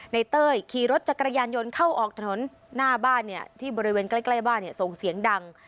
เต้ยขี่รถจักรยานยนต์เข้าออกถนนหน้าบ้านที่บริเวณใกล้บ้านส่งเสียงดัง